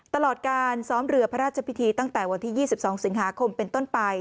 ตลอดการซ้อมเรือพระราชพิธีตั้งแต่วันที่๒๒สิงหาคมเป็นต้นไป